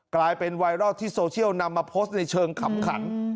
กลายเป็นไวรัลที่โซเชียลนำมาโพสต์ในเชิงขำขัน